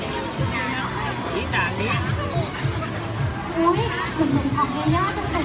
ตอนนี้จะพูดคาดอาหารสมัคร